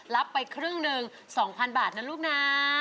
รับไปครึ่งหนึ่ง๒๐๐บาทนะลูกนะ